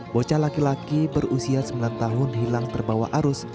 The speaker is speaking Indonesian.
bocah laki laki berusia sembilan tahun hilang terbawa arus